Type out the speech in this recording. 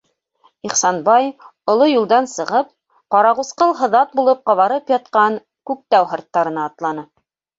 Ихсанбай, оло юлдан сығып, ҡарағусҡыл һыҙат булып ҡабарып ятҡан Күктау һырттарына атланы.